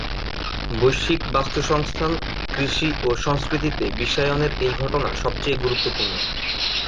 বৈশ্বিক বাস্তুসংস্থান, কৃষি ও সংস্কৃতিতে বিশ্বায়নের এই ঘটনা সবচেয়ে গুরত্বপূর্ণ।